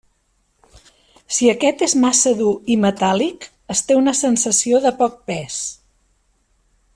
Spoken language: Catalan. Si aquest és massa dur i metàl·lic, es té una sensació de poc pes.